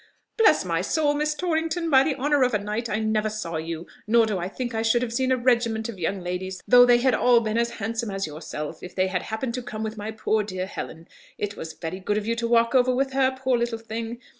"Bless my soul, Miss Torrington!... by the honour of a knight, I never saw you; nor do I think I should have seen a regiment of young ladies, though they had been all as handsome as yourself, if they had happened to come with my poor dear Helen. It was very good of you to walk over with her, poor little thing!...